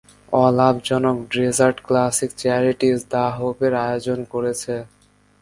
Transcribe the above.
অলাভজনক Desert Classic Charities the Hope এর আয়োজন করেছে।